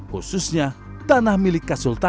khususnya tanah milik kasultan